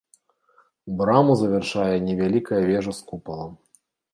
Браму завяршае невялікая вежа з купалам.